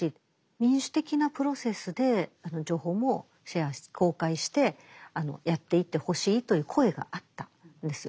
民主的なプロセスで情報もシェアして公開してやっていってほしいという声があったんですよ。